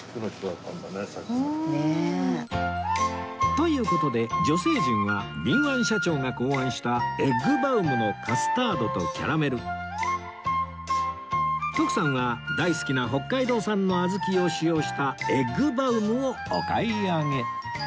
という事で女性陣は敏腕社長が考案したエッグバウムのカスタードとキャラメル徳さんは大好きな北海道産の小豆を使用したエッグバウムをお買い上げ